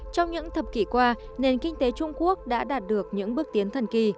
trong những thập kỷ qua nền kinh tế trung quốc đã đạt được những bước tiến thần kỳ